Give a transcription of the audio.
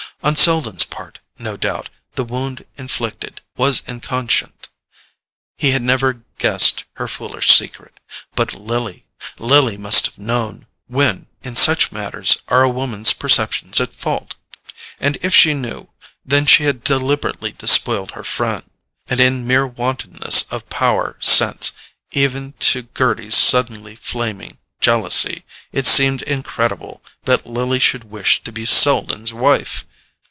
On Selden's part, no doubt, the wound inflicted was inconscient; he had never guessed her foolish secret; but Lily—Lily must have known! When, in such matters, are a woman's perceptions at fault? And if she knew, then she had deliberately despoiled her friend, and in mere wantonness of power, since, even to Gerty's suddenly flaming jealousy, it seemed incredible that Lily should wish to be Selden's wife.